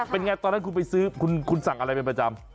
เป็นไงตอนนั้นคุณไปซื้อคุณสั่งอะไรเป็นประจำ